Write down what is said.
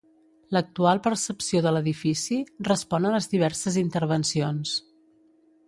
L'actual percepció de l'edifici respon a les diverses intervencions.